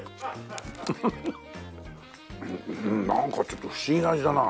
なんかちょっと不思議な味だな。